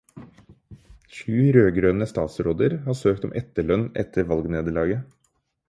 Sju rødgrønne statsråder har søkt om etterlønn etter valgnederlaget.